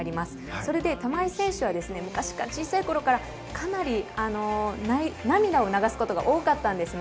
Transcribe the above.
それで玉井選手は昔から小さい頃からかなり涙を流すことが多かったんですね。